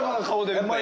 うまい！